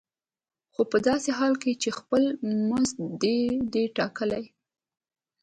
خو په داسې حال کې چې خپل مزد دې دی ټاکلی.